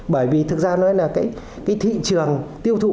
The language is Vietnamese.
bởi vì thực ra nói là cái thị trường tiêu thụ